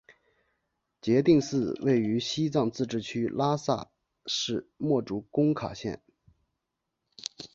杰定寺位于西藏自治区拉萨市墨竹工卡县。